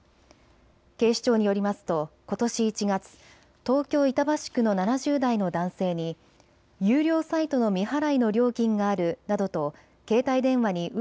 警視庁によりますと、ことし１月、東京板橋区の７０代の男性に有料サイトの未払いの料金があるなどと携帯電話にう